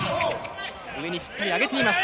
上にしっかり上げています。